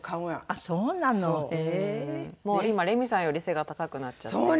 もう今レミさんより背が高くなっちゃって。